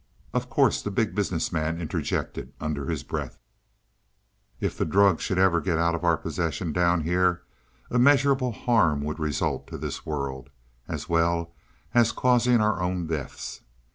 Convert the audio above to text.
"Of course," the Big Business Man interjected under his breath. "If the drugs should ever get out of our possession down here, immeasurable harm would result to this world, as well as causing our own deaths.